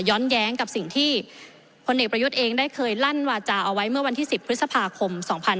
แย้งกับสิ่งที่พลเอกประยุทธ์เองได้เคยลั่นวาจาเอาไว้เมื่อวันที่๑๐พฤษภาคม๒๕๖๒